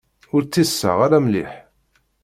Ur ṭṭiseɣ ara mliḥ.